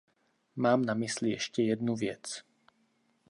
Mám na mysli ještě jednu věc.